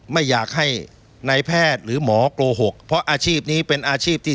ไม่อยากให้นายแพทย์หรือหมอโกหกเพราะอาชีพนี้เป็นอาชีพที่